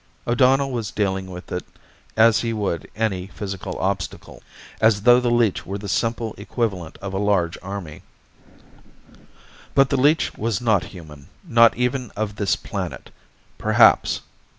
O'Donnell was dealing with it as he would any physical obstacle, as though the leech were the simple equivalent of a large army. But the leech was not human, not even of this planet, perhaps.